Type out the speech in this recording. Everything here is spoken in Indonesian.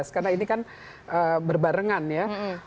karena ini kan berbarengan ya